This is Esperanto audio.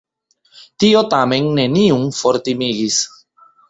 Tio tamen neniun fortimigis.